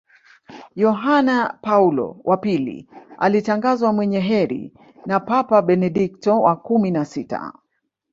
yohane paulo wa pili alitangazwa mwenye kheri na papa benedikto wa kumi na sita